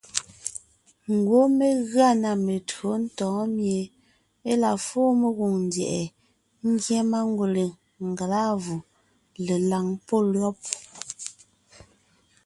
Ngwɔ́ mé gʉa na metÿǒ ntɔ̌ɔn mie e la fóo mengwòŋ ndyɛ̀ʼɛ ngyɛ́ mangwèle, ngelâvù, lelàŋ pɔ́ lÿɔ́b.